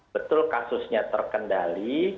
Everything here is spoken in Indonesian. betul kasusnya terkendali